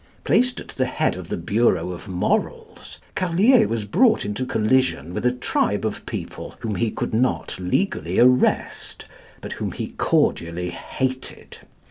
Placed at the head of the Bureau of Morals, Carlier was brought into collision with a tribe of people whom he could not legally arrest, but whom he cordially hated.